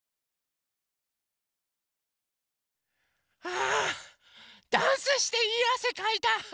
あダンスしていいあせかいた。